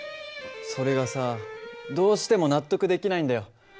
それがさどうしても納得できないんだよ。